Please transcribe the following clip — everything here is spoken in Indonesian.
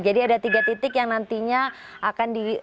jadi ada tiga titik yang nantinya akan di